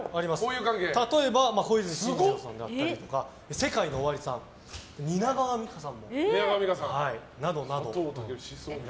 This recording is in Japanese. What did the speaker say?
例えば小泉進次郎さんだったりとかＳＥＫＡＩＮＯＯＷＡＲＩさん蜷川実花さんなどなど。